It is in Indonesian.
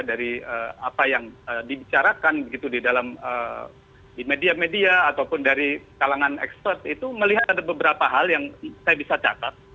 dari apa yang dibicarakan begitu di dalam media media ataupun dari kalangan ekspert itu melihat ada beberapa hal yang saya bisa catat